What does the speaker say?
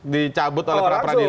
dicabut oleh perapradilan